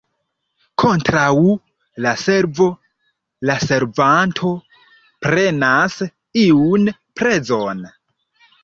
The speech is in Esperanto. Kontraŭ la servo la servanto prenas iun prezon.